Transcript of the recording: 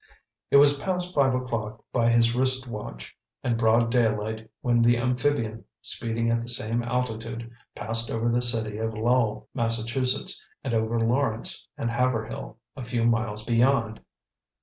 It was past five o'clock by his wristwatch and broad daylight when the amphibian, speeding at the same altitude, passed over the city of Lowell, Massachusetts, and over Lawrence and Haverhill, a few miles beyond.